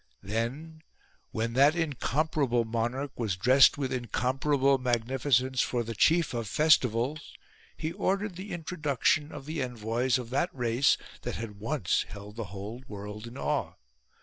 Then when that incomparable monarch was dressed with incomparable magnificence for the chief of festivals, he ordered the introduction of the envoys of that race that had once held the whole world in awe.